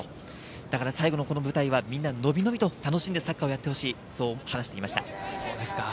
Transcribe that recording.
だから最後のこの舞台はみんなのびのびと楽しんでサッカーをやってほしいと話していました。